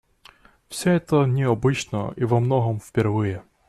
Все это необычно и во многом впервые.